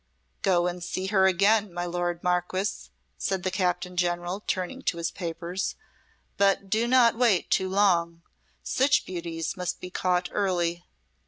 "Go and see her again, my lord Marquess," said the Captain General, turning to his papers. "But do not wait too long. Such beauties must be caught early."